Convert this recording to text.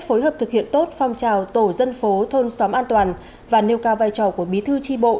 phối hợp thực hiện tốt phong trào tổ dân phố thôn xóm an toàn và nêu cao vai trò của bí thư tri bộ